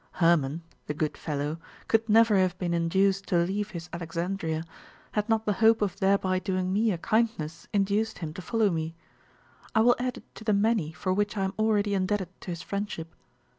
Hermon the good fellow! could never have been induced to leave his Alexandria, had not the hope of thereby doing me a kindness induced him to follow me. I will add it to the many for which I am already indebted to his friendship.